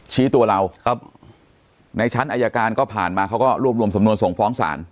ชี้ตัวเราครับในชั้นอายการก็ผ่านมาเขาก็รวบรวมสำนวนส่งฟ้องศาล